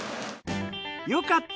よかった！